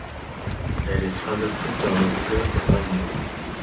Elle est traversée par le fleuve Avon.